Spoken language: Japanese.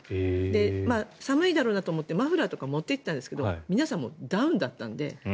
寒いだろうと思ってマフラーとか持って行ったんですけど皆さんダウンだったので。